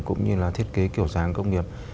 cũng như là thiết kế kiểu dáng công nghiệp